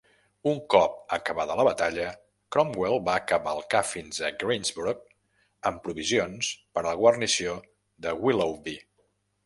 Un cop acabada la batalla, Cromwell va cavalcar fins a Gainsborough amb provisions per a la guarnició de Willoughby.